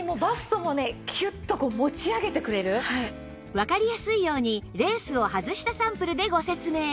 わかりやすいようにレースを外したサンプルでご説明